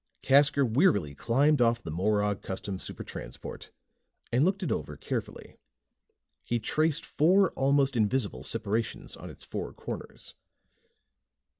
Casker wearily climbed off the Morog Custom Super Transport and looked it over carefully. He traced four almost invisible separations on its four corners.